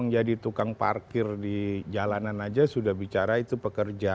jadi tukang parkir di jalanan aja sudah bicara itu pekerja